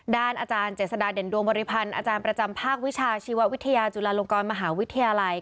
อาจารย์เจษฎาเด่นดวงบริพันธ์อาจารย์ประจำภาควิชาชีววิทยาจุฬาลงกรมหาวิทยาลัย